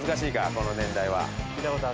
この年代は。